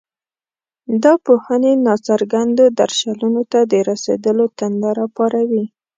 دا پوهنې ناڅرګندو درشلونو ته د رسېدلو تنده راپاروي.